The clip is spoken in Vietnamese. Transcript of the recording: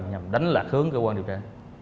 nhằm đánh lạc hướng cơ quan điều tra